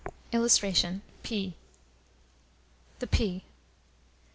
[Illustration: PEA.] THE PEA.